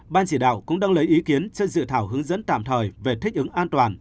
ban chỉ đạo cũng đang lấy ý kiến trên dự thảo hướng dẫn tạm thời về thích ứng an toàn